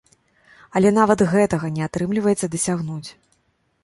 Але нават гэтага не атрымліваецца дасягнуць.